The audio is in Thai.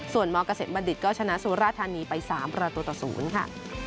ส่วนมเกษมบัณฑิตก็ชนะสุราธานีไป๓ประตูต่อ๐ค่ะ